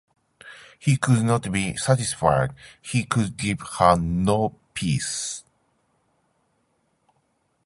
He could not be satisfied; he could give her no peace.